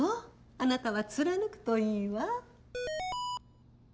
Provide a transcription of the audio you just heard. あなたは貫くといいわ。